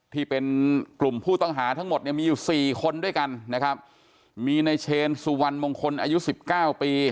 ที่เป็นกลุ่มผู้ต้องหาทั้งหมดเนี่ยมีอยู่สี่คนด้วยกันนะครับมีในเชนสุวรรณมงคลอายุสิบเก้าปี